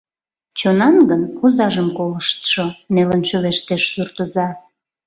— Чонан гын, озажым колыштшо... — нелын шӱлештеш суртоза.